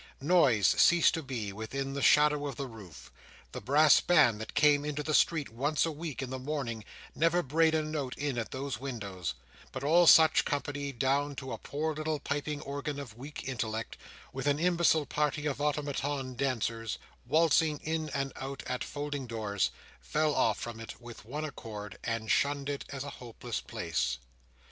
Noise ceased to be, within the shadow of the roof. The brass band that came into the street once a week, in the morning, never brayed a note in at those windows; but all such company, down to a poor little piping organ of weak intellect, with an imbecile party of automaton dancers, waltzing in and out at folding doors, fell off from it with one accord, and shunned it as a hopeless place.